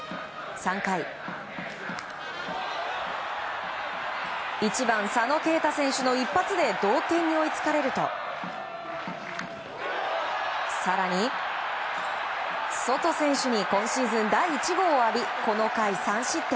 ３回、１番、佐野恵太選手の一発で同点に追いつかれると更に、ソト選手に今シーズン第１号を浴びこの回３失点。